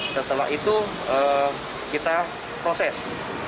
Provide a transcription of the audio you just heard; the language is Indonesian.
setelah itu kita proses